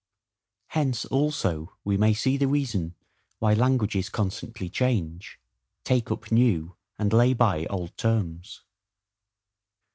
Hence also we may see the reason, why languages constantly change, take up new and lay by old terms.